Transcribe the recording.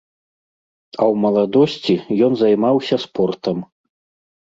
А ў маладосці ён займаўся спортам.